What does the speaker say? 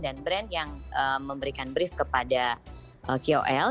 dan brand yang memberikan brief kepada kol